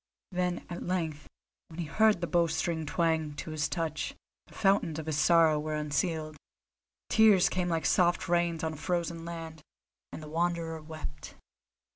Then at length, when he heard the bowstring twang to his touch, the fountains of his sorrow were unsealed; tears came like soft rains on a frozen land, and the Wanderer wept.